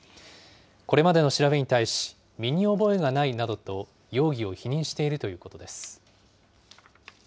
これまでの調べに対し、身に覚えがないなどと容疑を否認しているということです。